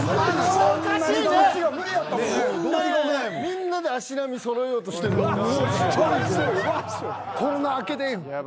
みんなで足並みそろえようとしてんのにもう１人で。